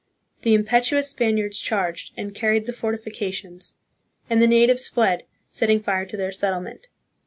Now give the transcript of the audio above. The impetuous Spaniards charged, and carried the fortifications, and the natives fled, setting fire to their settlement.